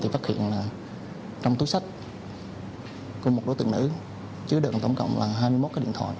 thì phát hiện trong túi sách của một đối tượng nữ chứa được tổng cộng hai mươi một điện thoại